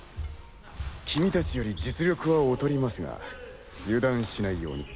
君達より実力は劣りますが油断しないように。